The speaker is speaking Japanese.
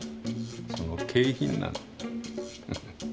その景品なの。